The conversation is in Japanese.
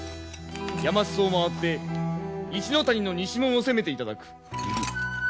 山裾を回って一ノ谷の西門を攻めていただく。